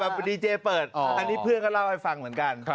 พอดีเจเปิดอันนี้เพื่อนก็เล่าให้ฟังเหมือนกัน